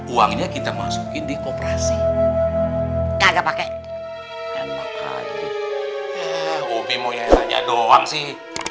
uangnya kita masukin di kooperasi kagak pakai enak aja ya umi mau nyayanya doang sih